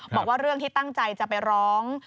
บอกว่าเรื่องที่ตั้งใจจะไปร้อง